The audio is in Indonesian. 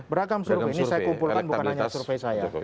beragam survei ini saya kumpulkan bukan hanya survei saya